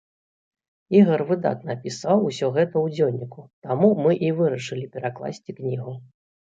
Ігар выдатна апісаў усё гэта ў дзённіку, таму мы і вырашылі перакласці кнігу.